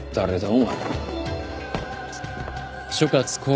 お前。